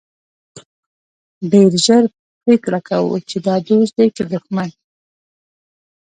ډېر ژر پرېکړه کوو چې دا دوست دی که دښمن.